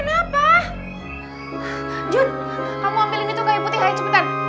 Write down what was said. jun kamu ambil ini tuh kaya putih kaya jepitan